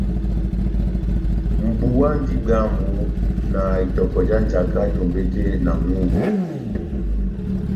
Mʼbuwa múndi bwámu na itɔkɔ já njaka tombete na ŋʼhúku,